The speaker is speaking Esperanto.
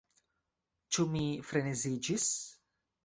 Ĉu mi freneziĝis?